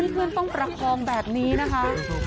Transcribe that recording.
เพื่อนต้องประคองแบบนี้นะคะ